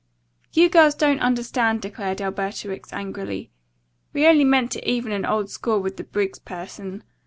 "You girls don't understand," declared Alberta Wicks angrily. "We only meant to even an old score with the Briggs person.